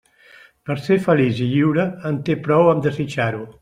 Per a ser feliç i lliure, en té prou amb desitjar-ho.